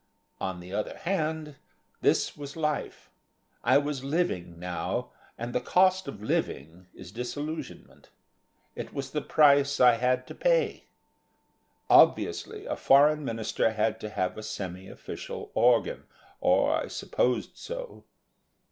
On the other hand, this was life I was living now and the cost of living is disillusionment; it was the price I had to pay. Obviously, a Foreign Minister had to have a semi official organ, or I supposed so....